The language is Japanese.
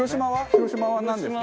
広島はなんですか？